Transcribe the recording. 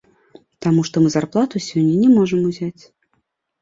Таму што мы зарплату сёння не можам узняць.